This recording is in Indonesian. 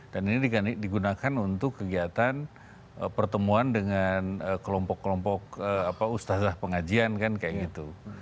dan ini digunakan untuk kegiatan pertemuan dengan kelompok kelompok ustazah pengajian kan kayak gitu